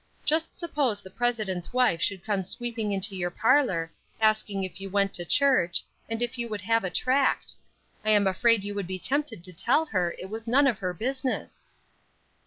Just suppose the President's wife should come sweeping into your parlor, asking you if you went to church, and if you would have a tract. I am afraid you would be tempted to tell her it was none of her business."